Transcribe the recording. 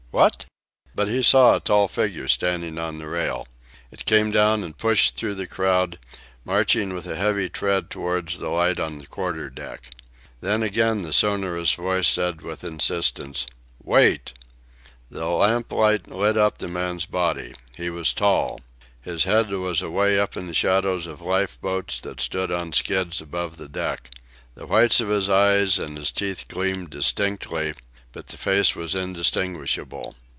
What...." But he saw a tall figure standing on the rail. It came down and pushed through the crowd, marching with a heavy tread towards the light on the quarterdeck. Then again the sonorous voice said with insistence: "Wait!" The lamplight lit up the man's body. He was tall. His head was away up in the shadows of lifeboats that stood on skids above the deck. The whites of his eyes and his teeth gleamed distinctly, but the face was indistinguishable.